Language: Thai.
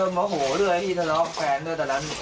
เริ่มวะโห้เลยทีถ้าล้อของแฟนด้วยแต่นั้น